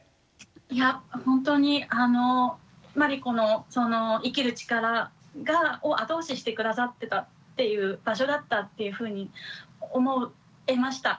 いや本当にあのまりこのその生きる力を後押しして下さってたっていう場所だったっていうふうに思えました。